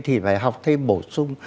thì phải học thêm bổ sung